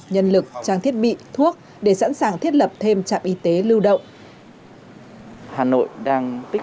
nhân lực trang thiết bị thuốc để sẵn sàng thiết lập thêm trạm y tế lưu động